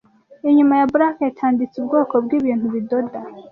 Inyuma ya Blanket handitse Ubwoko bwibintu bidoda